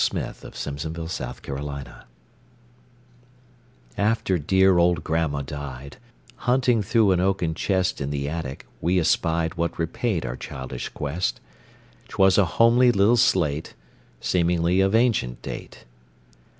Eugene Field Little Homer's Slate AFTER dear old grandma died, Hunting through an oaken chest In the attic, we espied What repaid our childish quest; 'Twas a homely little slate, Seemingly of ancient date.